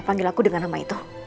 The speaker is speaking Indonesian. panggil aku dengan nama itu